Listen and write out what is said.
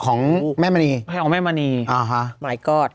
อ๋อของแม่มะนีแม่มะนีมายกอส